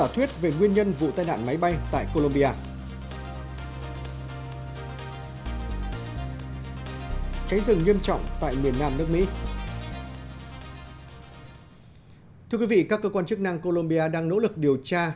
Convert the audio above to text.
thưa quý vị các cơ quan chức năng colombia đang nỗ lực điều tra